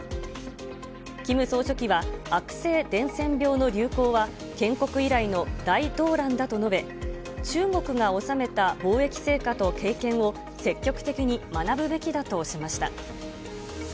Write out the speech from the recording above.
キム総書記は悪性伝染病の流行は建国以来の大動乱だと述べ、中国が収めた防疫成果と経験を積極的に学ぶべきだとしました。